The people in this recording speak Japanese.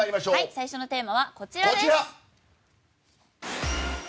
最初のテーマは、こちらです。